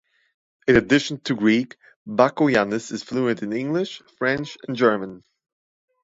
In addition to Greek, Bakoyannis is fluent in English, French and German.